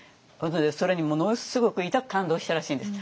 それにものすごくいたく感動したらしいんです。